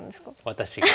私が。